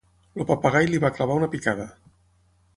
El papagai li va clavar una picada.